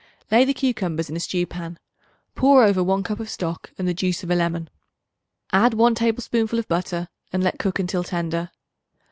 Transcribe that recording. Lay the cucumbers in a stew pan; pour over 1 cup of stock and the juice of a lemon; add 1 tablespoonful of butter, and let cook until tender.